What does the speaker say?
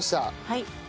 はい。